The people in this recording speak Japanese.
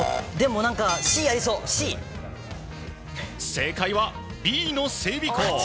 正解は、Ｂの整備工！